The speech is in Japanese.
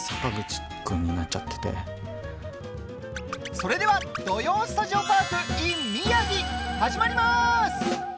それでは「土曜スタジオパークｉｎ宮城」始まります。